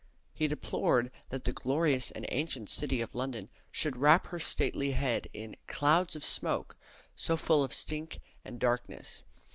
He deplored that that glorious and ancient city of London should wrap her stately head in "clowds of smoake, so full of stink and darknesse."